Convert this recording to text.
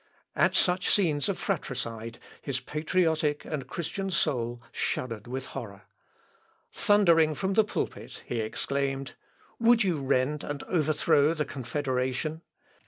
At such scenes of fratricide his patriotic and Christian soul shuddered with horror. Thundering from the pulpit he exclaimed, "Would you rend and overthrow the confederation?